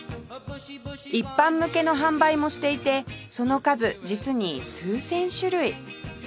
一般向けの販売もしていてその数実に数千種類